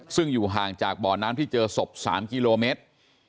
ซึ่งอยู่ห่างจากบ่อน้ำที่เจอศพ๓กิโลเมตร